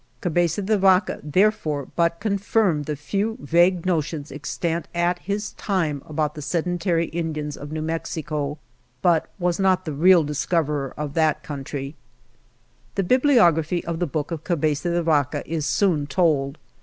Cabeza de Vaca therefore but confirmed the few vague notions extant at his time about the sedentary Indians of New Mexico, but was not the real discoverer of that country. INTRODUCTION The bibliography of the book of Cabeza de Vaca is soon told.